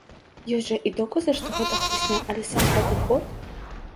Ёсць жа і доказы, што гэта хлусня, але сам падыход!